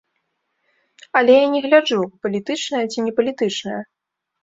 Але я не гляджу, палітычная ці не палітычная.